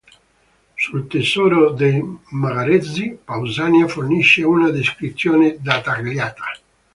Sul tesoro dei megaresi, Pausania fornisce una descrizione dettagliata.